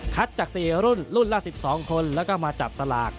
จาก๔รุ่นรุ่นละ๑๒คนแล้วก็มาจับสลาก